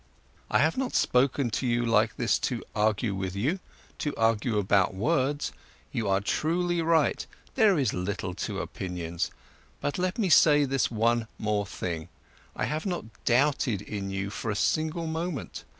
"I have not spoken to you like this to argue with you, to argue about words. You are truly right, there is little to opinions. But let me say this one more thing: I have not doubted in you for a single moment.